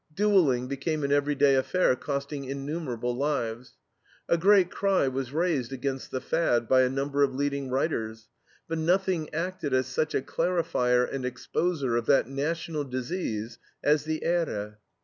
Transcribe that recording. Duelling became an every day affair, costing innumerable lives. A great cry was raised against the fad by a number of leading writers. But nothing acted as such a clarifier and exposer of that national disease as the EHRE.